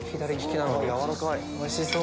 おいしそう！